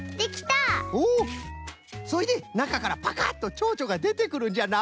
そいでなかからパカッとチョウチョがでてくるんじゃな。